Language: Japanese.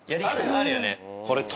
あるよね。